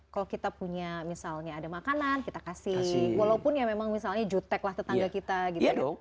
kalau kita punya misalnya ada makanan kita kasih walaupun ya memang misalnya jutek lah tetangga kita gitu ya dok